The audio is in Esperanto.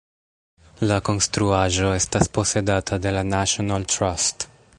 La konstruaĵo estas posedata de la National Trust.